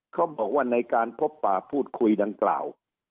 เขาบอกว่าในการพบป่าพูดคุยดังกล่าว